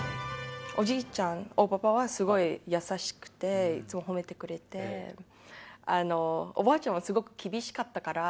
おじいちゃん、大パパはすごい優しくて、いつもほめてくれて、おばあちゃんはすごく厳しかったから。